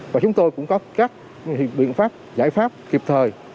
và chúng tôi cũng có các biện pháp giải pháp kịp thời